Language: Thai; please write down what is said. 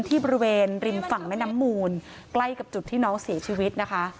ที่บริเวณริมฝั่งแม่น้ำมูลใกล้กับจุดที่น้องเสียชีวิตนะคะ